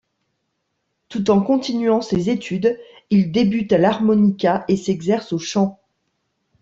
Tout en continuant ses études, il débute à l'harmonica et s'exerce au chant.